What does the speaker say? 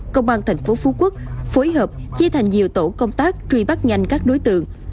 công an thành phố phú quốc phối hợp chia thành nhiều tổ công tác truy bắt nhanh các đối tượng